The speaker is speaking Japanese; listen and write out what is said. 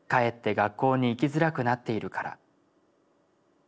学校に行きづらくなっているから。